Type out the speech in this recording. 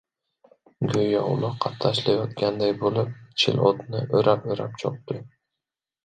Go‘yo uloqqa talashayotgan bo‘lib, Chil otni o‘rab-o‘rab chopdi.